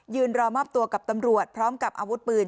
รอมอบตัวกับตำรวจพร้อมกับอาวุธปืน